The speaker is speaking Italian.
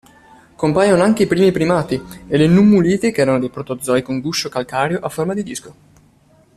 Compaiono anche i primi primati e le nummuliti che erano dei protozoi con guscio calcareo a forma di disco.